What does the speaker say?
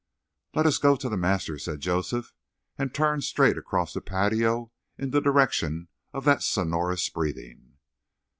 "Let us go to the master," said Joseph, and turned straight across the patio in the direction of that sonorous breathing.